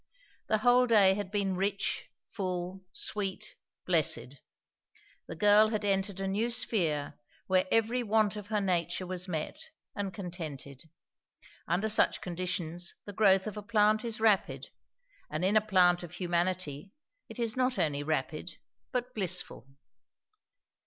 The whole day had been rich, full, sweet, blessed; the girl had entered a new sphere where every want of her nature was met and contented; under such conditions the growth of a plant is rapid; and in a plant of humanity it is not only rapid but blissful.